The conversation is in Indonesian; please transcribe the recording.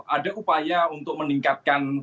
ada upaya untuk meningkatkan